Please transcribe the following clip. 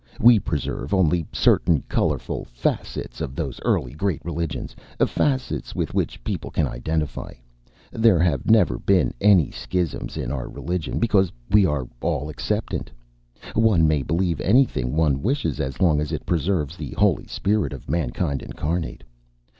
We preserve only certain colorful facets of those early great religions; facets with which people can identify. There have never been any schisms in our religion, because we are all acceptant. One may believe anything one wishes, as long as it preserves the holy spirit of Mankind Incarnate.